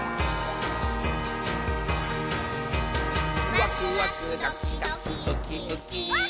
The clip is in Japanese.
「ワクワクドキドキウキウキ」ウッキー。